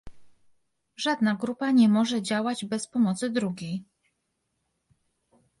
żadna grupa nie może działać bez pomocy drugiej